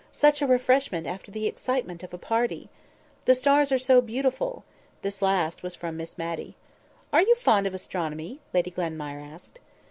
"Such a refreshment after the excitement of a party!" "The stars are so beautiful!" This last was from Miss Matty. "Are you fond of astronomy?" Lady Glenmire asked.